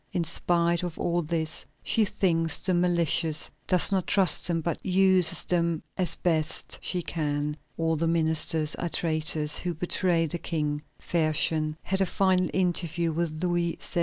In spite of all this, she thinks them malicious, does not trust them, but uses them as best she can. All the ministers are traitors who betray the King." Fersen had a final interview with Louis XVI.